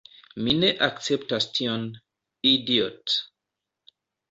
Mi ne akceptas tion, idiot'.